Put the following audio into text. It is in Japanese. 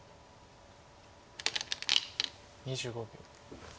２５秒。